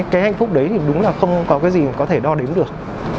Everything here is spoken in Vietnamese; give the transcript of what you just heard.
cái hạnh phúc đấy thì đúng là không có cái gì có thể đo đếm được